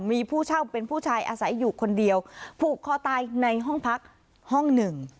มีผู้เช่าเป็นผู้ชายอาศัยอยู่คนเดียวผูกคอตายในห้องพักห้องหนึ่ง